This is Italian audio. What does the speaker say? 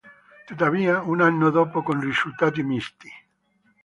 Tuttavia, un anno dopo con risultati misti.